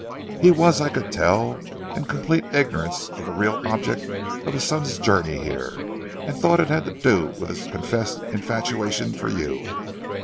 He was, I could tell, in complete ignorance of the real object of his son's journey here, and thought it had to do with his confessed infatuation for you.